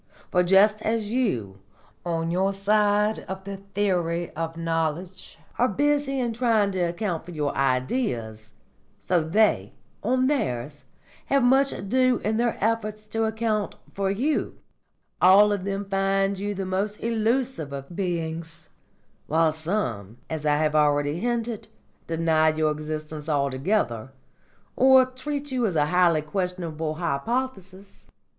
For just as you, on your side of the theory of knowledge, are busy in trying to account for your Ideas, so they, on theirs, have much ado in their efforts to account for you; all of them find you the most illusive of beings, while some, as I have already hinted, deny your existence altogether, or treat you as a highly questionable hypothesis.